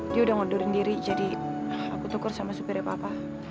dia udah ngondorin diri jadi aku tuker sama supirnya papa